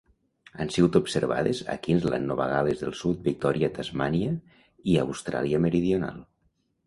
Han sigut observades a Queensland, Nova Gal·les del Sud, Victòria, Tasmània i Austràlia Meridional.